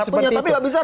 tapi tidak bisa